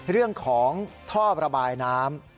เรื่องของท่อระบายน้ำ